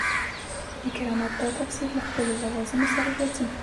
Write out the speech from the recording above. د کرامت دا تفسیر له خپلو لوازمو سره راځي.